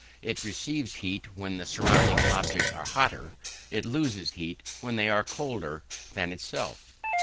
It receives heat when the surrounding objects are hotter, it loses heat when they are colder, than itself.